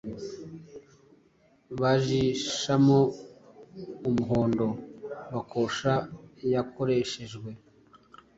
bajishamo, umuhondo, bakosha yakoreshejwe